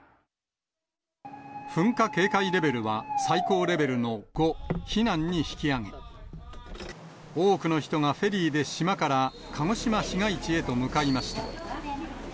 噴火警戒レベルは最高レベルの５、避難に引き上げ、多くの人がフェリーで島から鹿児島市街地へと向かいました。